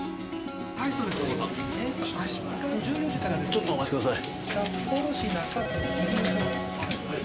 ちょっとお待ち下さい。